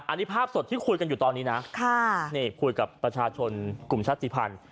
อันนี้ภาพสดที่คุยกันอยู่ตอนนี้นะนี่คุยกับประชาชนกลุ่มชาติภัณฑ์